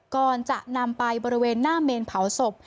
ก่อนจะนำไปบริเวณหน้าเมนเผาศพ